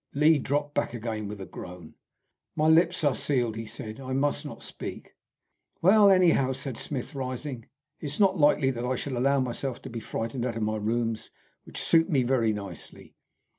Lee dropped back again with a groan. "My lips are sealed," he said. "I must not speak." "Well, anyhow," said Smith, rising, "it is not likely that I should allow myself to be frightened out of rooms which suit me very nicely.